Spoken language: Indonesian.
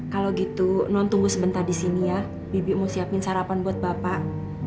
kalo gitu non tunggu sebentar disini ya bibik mau siapin sarapan buat bapak